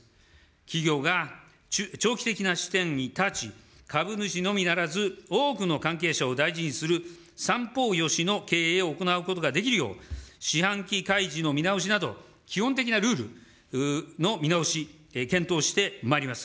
企業が長期的な視点に立ち、株主のみならず、多くの関係者を大事にする三方よしの経営を行うことができるよう、四半期開示の見直しなど、基本的なルールの見直し、検討してまいります。